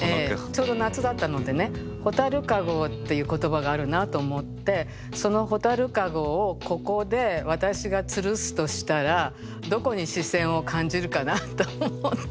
ちょうど夏だったのでね「螢籠」っていう言葉があるなと思ってその螢籠をここで私が吊すとしたらどこに視線を感じるかなと思って作った句なんですよ。